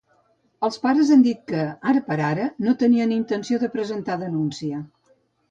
Els pares han dit que, ara per ara, no tenien intenció de presentar denúncia.